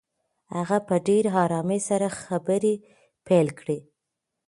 هغه په ډېر آرام سره خبرې پیل کړې.